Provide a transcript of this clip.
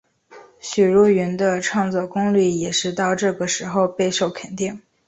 许茹芸的创作功力也是到这个时候备受肯定。